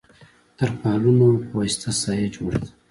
تر پالونو په واسطه سایه جوړه وه.